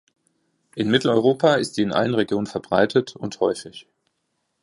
In Mitteleuropa ist sie in allen Regionen verbreitet und häufig.